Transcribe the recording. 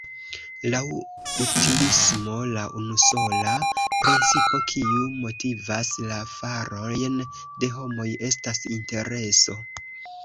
Laŭ utilismo la unusola principo kiu motivas la farojn de homoj estas intereso.